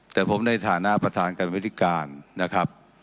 แต่ผมในฐานะประธานกรรมวิธีการนะครับ